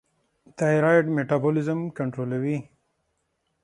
تایرویډ میټابولیزم کنټرولوي.